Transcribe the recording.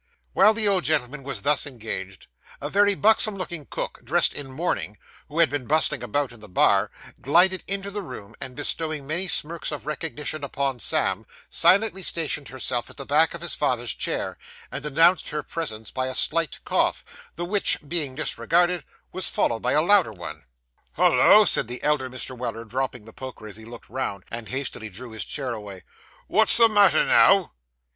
While the old gentleman was thus engaged, a very buxom looking cook, dressed in mourning, who had been bustling about, in the bar, glided into the room, and bestowing many smirks of recognition upon Sam, silently stationed herself at the back of his father's chair, and announced her presence by a slight cough, the which, being disregarded, was followed by a louder one. 'Hollo!' said the elder Mr. Weller, dropping the poker as he looked round, and hastily drew his chair away. 'Wot's the matter now?